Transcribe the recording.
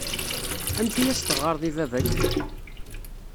Amek ay as-teɣɣareḍ i baba-k?